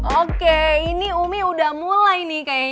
oke ini umi udah mulai nih kayaknya